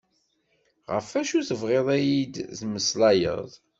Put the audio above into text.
Ɣef acu tebɣiḍ ad yi-d-temmeslayeḍ?